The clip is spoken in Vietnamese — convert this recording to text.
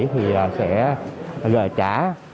thì sẽ trả